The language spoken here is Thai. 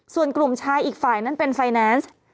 ส่วนกลุ่มชายอีกฝ่ายนั้นเป็นไฟแนนซ์